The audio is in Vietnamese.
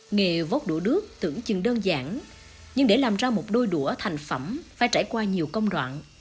nghề vóc đũa đước tưởng chừng đơn giản nhưng để làm ra một đôi đũa thành phẩm phải trải qua nhiều công đoạn